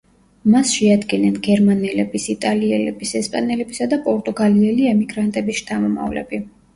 მას შეადგენენ გერმანელების, იტალიელების, ესპანელებისა და პორტუგალიელი ემიგრანტების შთამომავლები.